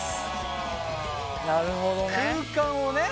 なるほどね。